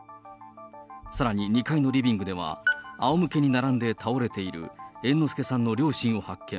さらに２階のリビングでは、あおむけに並んで倒れている猿之助さんの両親を発見。